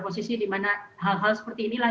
posisi dimana hal hal seperti inilah